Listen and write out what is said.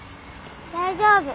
大丈夫。